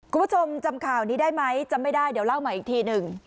คุณผู้ชมจำข่าวนี้ได้ไหมจำไม่ได้เดี๋ยวเล่าใหม่อีกทีหนึ่ง